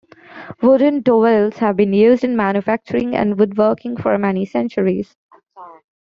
Wooden dowels have been used in manufacturing and woodworking for many centuries.